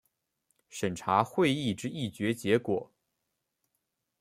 审查会议之议决结果